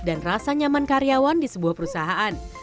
dan rasa nyaman karyawan di sebuah perusahaan